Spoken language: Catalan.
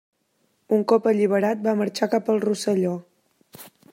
Un cop alliberat va marxar cap al Rosselló.